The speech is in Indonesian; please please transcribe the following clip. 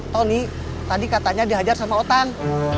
tony tadi katanya dihajar sama utang